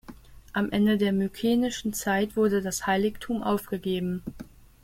Am Ende der Mykenischen Zeit wurde das Heiligtum aufgegeben.